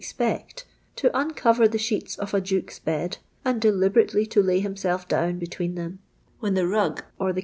Kpei t, to uncover the sheets of a duke*:* bed, and deliberately to lay himself down between them, wlien the rug or the c.